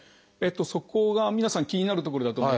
そこが皆さん気になるところだと思うんですよ。